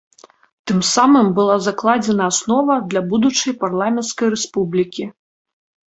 Тым самым была закладзена аснова для будучай парламенцкай рэспублікі.